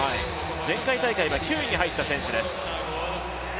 前回大会は９位に入った選手です。